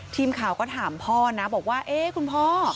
ทีมข่าวก็ถามพ่อนะบอกว่าเอ๊ะคุณพ่อ